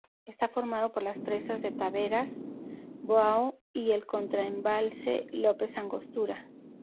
Está formado por las presas de Taveras, Bao y el contra embalse López Angostura.